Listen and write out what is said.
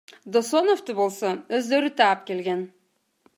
Досоновду болсо өздөрү таап келген.